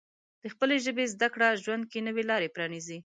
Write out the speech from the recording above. د خپلې ژبې زده کړه ژوند کې نوې لارې پرانیزي.